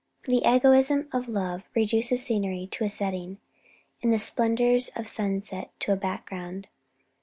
The egoism of love reduces scenery to a setting and the splendours of sunset to a background.